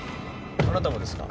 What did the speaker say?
あなたもですか？